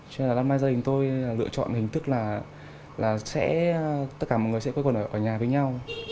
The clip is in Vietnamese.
cho nên là năm nay gia đình tôi lựa chọn hình thức là tất cả mọi người sẽ quê quần ở nhà với nhau